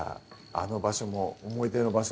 あの場所も思い出の場所